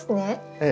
ええ。